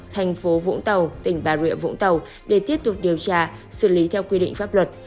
thành phố vũng tàu tỉnh bà rịa vũng tàu để tiếp tục điều tra xử lý theo quy định pháp luật